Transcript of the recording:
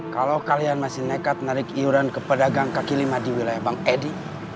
kalau kalian masih nekat narik iuran ke pedagang kaki lima di wilayah bang edi